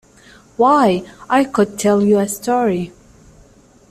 Why, I could tell you a story.